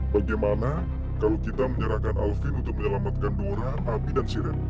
bagaimana kalau kita menyerahkan alvin untuk menyelamatkan dora api dan sirep